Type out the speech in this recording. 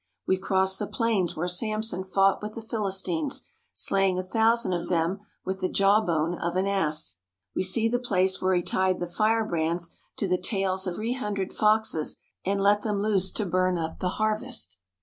We cross the plains where Samson fought with the Philistines, slaying a thousand of them with the jawbone of an ass. We see the place where he tied the firebrands to the tails of three hundred foxes and let them loose to burn up the harvest.